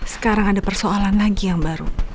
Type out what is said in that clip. sekarang ada persoalan lagi yang baru